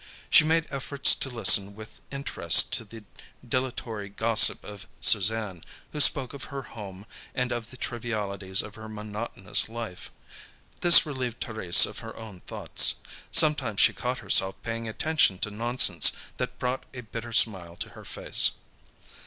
She made efforts to listen with interest to the dilatory gossip of Suzanne, who spoke of her home, and of the trivialities of her monotonous life. This relieved Thérèse of her own thoughts. Sometimes she caught herself paying attention to nonsense that brought a bitter smile to her face.